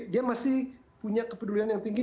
dia masih punya kepedulian yang tinggi